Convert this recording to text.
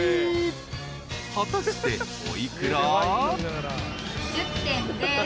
［果たしてお幾ら？］